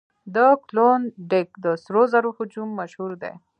د کلونډیک د سرو زرو هجوم مشهور دی.